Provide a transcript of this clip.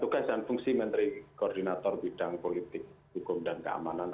tugas dan fungsi menteri koordinator bidang politik hukum dan keamanan